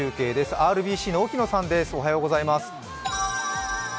ＲＢＣの沖野さん。